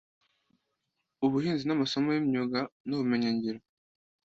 ubuhinzi n’amasomo y’imyuga n’ubumenyi ngiro